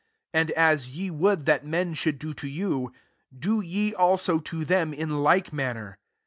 31 And as ye would that men should do to you, d6 ye also to them, in like manner.